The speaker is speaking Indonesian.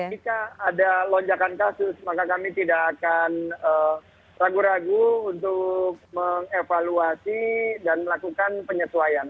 jika ada lonjakan kasus maka kami tidak akan ragu ragu untuk mengevaluasi dan melakukan penyesuaian